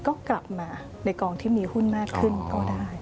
ก็กลับมาในกองที่มีหุ้นมากขึ้นก็ได้